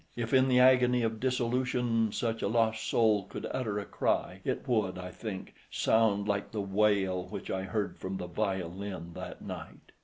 If in the agony of dissolution such a lost soul could utter a cry, it would, I think, sound like the wail which I heard from the violin that night.